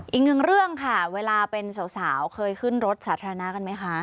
อีกหนึ่งเรื่องค่ะเวลาเป็นสาวเคยขึ้นรถสาธารณะกันไหมคะ